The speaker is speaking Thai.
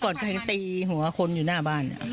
ก็เมื่อก่อนก็ตีหัวคนอยู่หน้าบ้าน